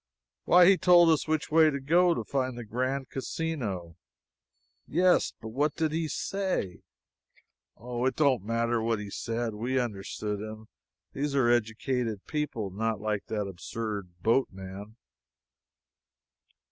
"Why, he told us which way to go to find the Grand Casino." "Yes, but what did he say?" "Oh, it don't matter what he said we understood him. These are educated people not like that absurd boatman."